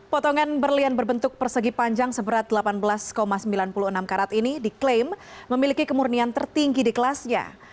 potongan berlian berbentuk persegi panjang seberat delapan belas sembilan puluh enam karat ini diklaim memiliki kemurnian tertinggi di kelasnya